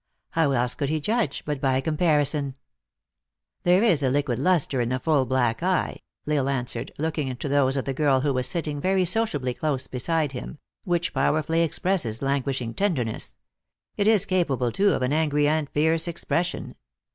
How else could he judge, but by a comparison ?" There is a liquid lustre in the full black eye," L Isle answered, looking into those of the girl who was sitting, very sociably, close beside him, " which powerfully expresses languishing tenderness. It is capable, too, of an angry and fierce expression.